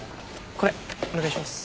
これお願いします。